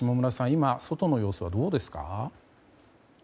今、外の様子はどうですか？